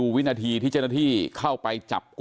สวัสดีครับ